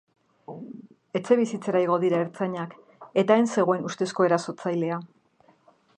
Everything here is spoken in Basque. Etxebizitzara igo dira ertzainak, eta han zegoen ustezko erasotzailea.